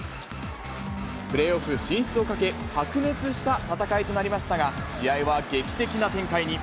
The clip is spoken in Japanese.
プレーオフ進出をかけ、白熱した戦いとなりましたが、試合は劇的な展開に。